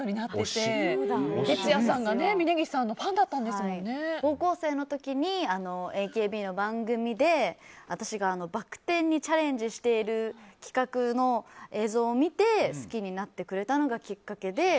てつやさんが峯岸さんの高校生の時にＡＫＢの番組で私がバク転にチャレンジしている企画の映像を見て好きになってくれたのがきっかけで。